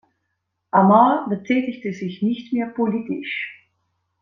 Amar betätigte sich nicht mehr politisch.